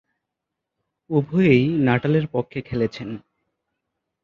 উভয়েই নাটালের পক্ষে খেলেছেন।